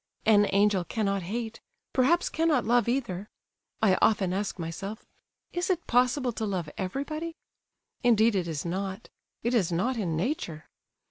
An angel cannot hate, perhaps cannot love, either. I often ask myself—is it possible to love everybody? Indeed it is not; it is not in nature.